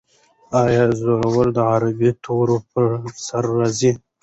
آیا زور د عربي تورو پر سر راځي؟